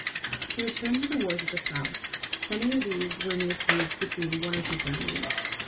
To return to the wars in the South, many of these were mere feuds between one or two families.